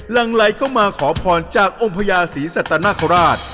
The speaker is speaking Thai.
หลังไหลเข้ามาขอพรจากองค์พญาศรีสัตนคราช